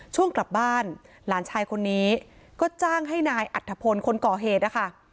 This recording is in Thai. ช่วงกลับบ้านหลานชายคนนี้ก็จ้างให้นายอัฐพลคนก่อเหตุนะคะ